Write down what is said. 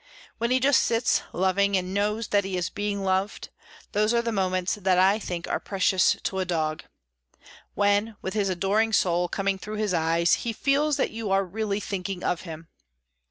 When he just sits, loving, and knows that he is being loved, those are the moments that I think are precious to a dog; when, with his adoring soul coming through his eyes, he feels that you are really thinking of him.